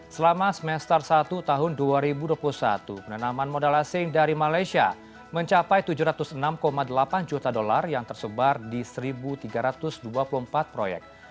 selama semester satu tahun dua ribu dua puluh satu penanaman modal asing dari malaysia mencapai tujuh ratus enam delapan juta dolar yang tersebar di satu tiga ratus dua puluh empat proyek